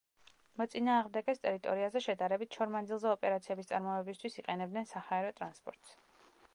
მოწინააღმდეგეს ტერიტორიაზე შედარებით შორ მანძილზე ოპერაციების წარმოებისთვის იყენებდნენ საჰაერო ტრანსპორტს.